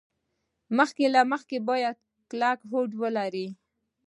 مخکې له مخکې باید کلک هوډ ولري.